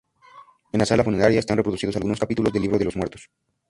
En la sala funeraria están reproducidos algunos capítulos del Libro de los Muertos.